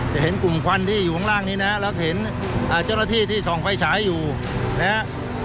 เห็นกลุ่มควันที่อยู่ข้างล่างนี้นะแล้วเห็นเจ้าหน้าที่ที่ส่องไฟฉายอยู่นะฮะ